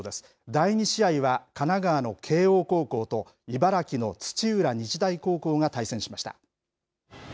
第２試合は神奈川の慶応高校と茨城の土浦日大高校が対戦しました。